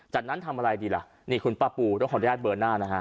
จากนั้นทำอะไรดีล่ะนี่คุณป้าปูต้องขออนุญาตเบอร์หน้านะฮะ